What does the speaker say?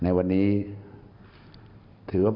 และโอกาสนี้พระเจ้าอยู่หัว